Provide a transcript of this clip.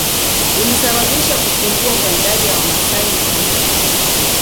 Ulisababisha kupungua kwa idadi ya Wamasai na wanyama